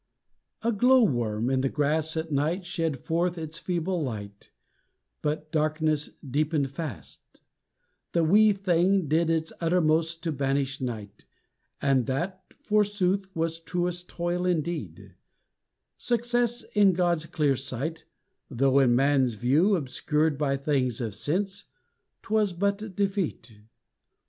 A glow worm in the grass at night shed forth Its feeble light, but darkness deepened fast; The wee thing did its uttermost to banish night, And that, forsooth, was truest toil, indeed, Success in God's clear sight, though in man's view, Obscured by things of sense, 'twas but defeat.